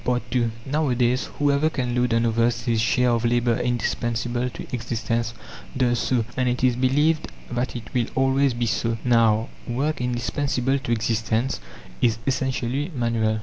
II Nowadays, whoever can load on others his share of labour indispensable to existence does so, and it is believed that it will always be so. Now, work indispensable to existence is essentially manual.